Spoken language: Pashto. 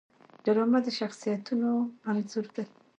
ډرامه د شخصیتونو انځور دی